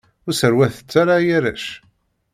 Ur sserwatet ara ay arrac!